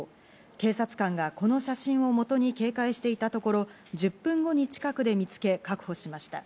警察官がこの写真をもとに警戒していたところ、１０分後に近くで見つけ、確保しました。